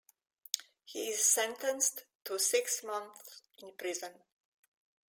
He is sentenced to six months in prison.